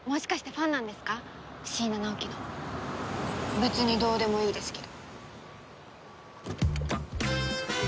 別にどうでもいいですけど。